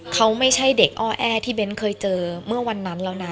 เขาไม่ใช่เด็กอ้อแอที่เบ้นเคยเจอเมื่อวันนั้นแล้วนะ